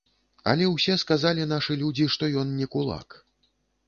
Але ўсе сказалі нашы людзі, што ён не кулак.